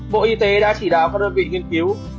bộ y tế đã chỉ đạo các đơn vị nghiên cứu